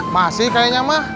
masih kayaknya mah